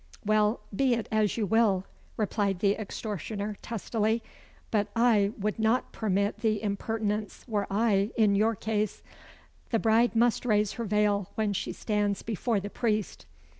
"Well, be it as you will," replied the extortioner, testily. "But I would not permit the impertinence were I in your case. The bride must raise her veil when she stands before the priest."